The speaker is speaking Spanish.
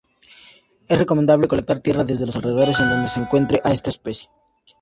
Es recomendable colectar tierra desde los alrededores en donde se encuentre a esta especie.